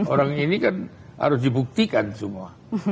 orang ini kan harus dibuktikan semua